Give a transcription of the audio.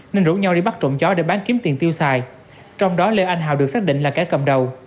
nên rủ nhau đi bắt trộm chó để bán kiếm tiền tiêu xài trong đó lê anh hào được xác định là kẻ cầm đầu